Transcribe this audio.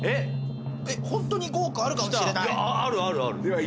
ホントに５億あるかもしれない。